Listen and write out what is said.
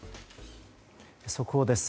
速報です。